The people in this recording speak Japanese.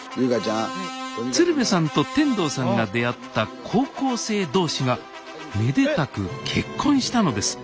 鶴瓶さんと天童さんが出会った高校生同士がめでたく結婚したのですえっ